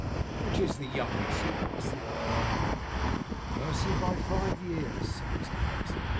'Which IS the youngest?' asked the old man. 'Mercy, by five years,' said Mr Pecksniff.